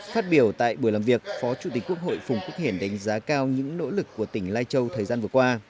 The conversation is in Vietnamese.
phát biểu tại buổi làm việc phó chủ tịch quốc hội phùng quốc hiển đánh giá cao những nỗ lực của tỉnh lai châu thời gian vừa qua